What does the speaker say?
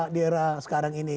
di era sekarang ini